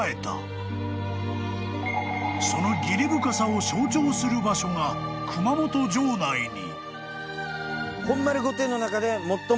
［その義理深さを象徴する場所が熊本城内に］